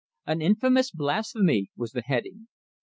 "AN INFAMOUS BLASPHEMY," was the heading.